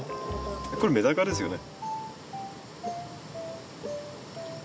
これメダカですよね。